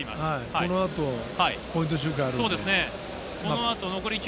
このあとポイント周回があります。